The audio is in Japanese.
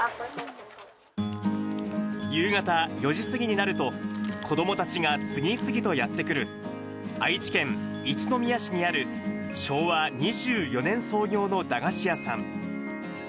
夕方４時過ぎになると、子どもたちが次々とやって来る、愛知県一宮市にある昭和２４年創業の駄菓子屋さん。